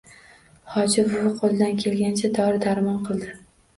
Hoji buvi qo‘lidan kelgancha dori-darmon qildi...